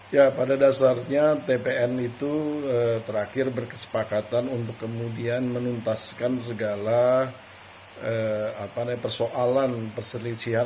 ya pada dasarnya tpn itu terakhir berkesepakatan untuk kemudian menuntaskan segala persoalan perselisihan